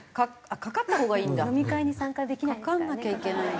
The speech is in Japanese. かからなきゃいけないんだ。